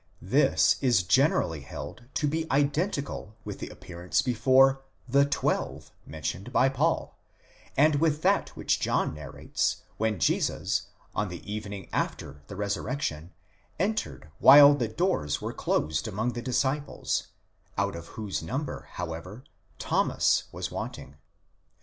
'This is generally held to be identical with the appearance before the ¢we/ve mentioned by Paul, and with that which John narrates when Jesus on the evening after the resurrection entered while the doors were closed among the disciples, out of whose number, however, Thomas was wanting.